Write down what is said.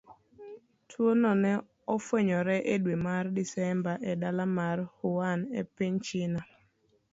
Tuwono ne ofwenyore e dwe mar Desemba e dala mar Wuhan, e piny China.